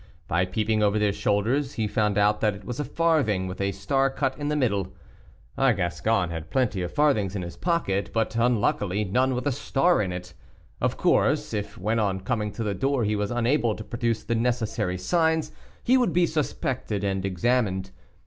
By peeping over their shoulders, he found out that it was a farthing, with a star cut in the middle. Our Gascon had plenty of farthings in his pocket, but unluckily none with a star in it. Of course, if when on coming to the door he was unable to produce the necessary signs, he would be suspected and examined.